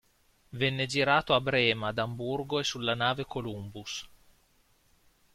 Venne girato a Brema, ad Amburgo e sulla nave Columbus.